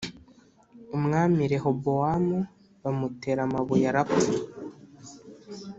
Umwami Rehobowamu bamutera amabuye arapfa